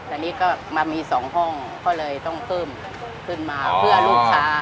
อันนี้ก็มามีสองห้องเพราะเลยต้องขึ้นมาเพื่อลูกค้า